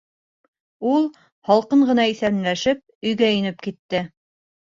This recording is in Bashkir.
Ул, һалҡын ғына иҫәнләшеп, өйгә инеп китте.